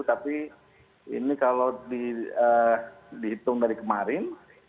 tapi ini kalau dihitung dari kemarin